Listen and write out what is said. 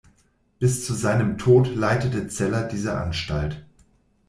Bis zu seinem Tod leitete Zeller diese Anstalt.